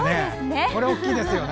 これは大きいですよね。